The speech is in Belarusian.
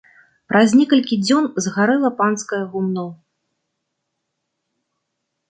Праз некалькі дзён згарэла панскае гумно.